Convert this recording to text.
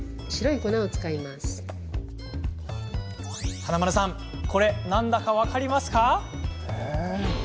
華丸さん、これ何だか分かります？